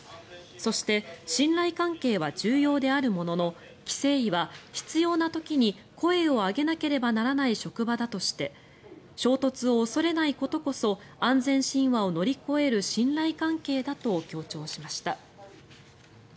そして信頼関係は重要であるものの規制委は、必要な時に声を上げなければならない職場だとして衝突を恐れないことこそ安全神話を乗り越える信頼関係だと強調しました。